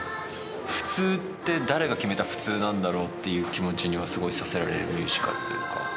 普通って誰が決めた普通なんだろうっていう気持ちにはすごいさせられるミュージカルというか。